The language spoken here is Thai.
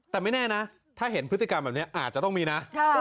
แต่ไม่แน่นะถ้าเห็นพฤติกรรมแบบนี้อาจจะต้องมีนะ